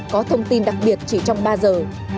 có thông tin đặc biệt chỉ trong ba giờ